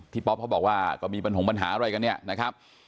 ป๊อปเขาบอกว่าก็มีปัญหาอะไรกันเนี่ยนะครับ